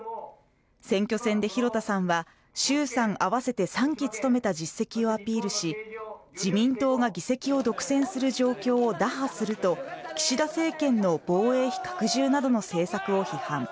選挙戦で広田さんは衆・参合わせて３期務めた実績をアピールし、自民党が議席を独占する状況を打破すると岸田政権の防衛費拡充などの政策を批判。